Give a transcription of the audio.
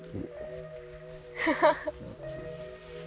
ハハハッ。